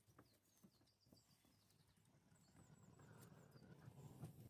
Se lanzó un vídeo promocional, dirigido por John Goodhue.